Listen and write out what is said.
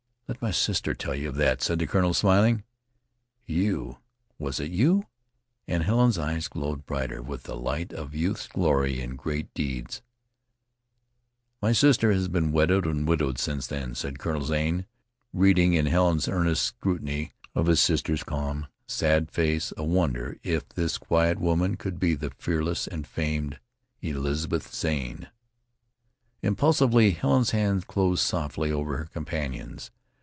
"Let my sister tell you of that," said the colonel, smiling. "You! Was it you?" And Helen's eyes glowed brighter with the light of youth's glory in great deeds. "My sister has been wedded and widowed since then," said Colonel Zane, reading in Helen's earnest scrutiny of his sister's calm, sad face a wonder if this quiet woman could be the fearless and famed Elizabeth Zane. Impulsively Helen's hand closed softly over her companion's.